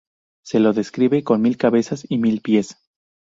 Se lo describe con mil cabezas y mil pies.